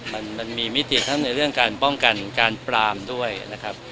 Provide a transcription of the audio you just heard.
มันมีมิติทั้งในเรื่องการป้องกันการปรามด้วยนะครับ